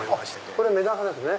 これメダカですね。